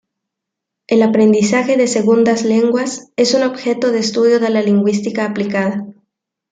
El aprendizaje de segundas lenguas es un objeto de estudio de la lingüística aplicada.